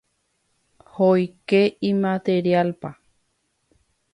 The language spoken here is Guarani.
hoyke imaterialpa.